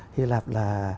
hy lạp là